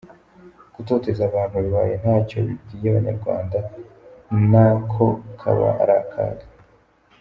Gutoteza abantu bibaye nta cyo bibwiye abanyarwanda na ko kaba ari akaga.